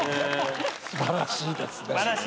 素晴らしいですね。